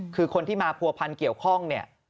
คือคนที่มาผัวพันเกี่ยวข้องเนี่ย